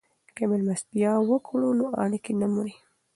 که مېلمستیا وکړو نو اړیکې نه مري.